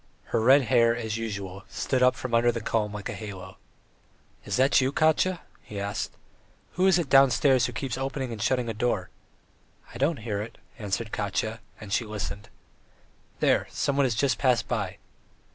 Her red hair, as usual, stood up from under the comb like a halo. "Is that you, Katya?" he asked. "Who is it downstairs who keeps opening and shutting a door?" "I don't hear it," answered Katya; and she listened. "There, someone has just passed by."